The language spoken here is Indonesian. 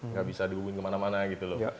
nggak bisa dihubungin kemana mana gitu loh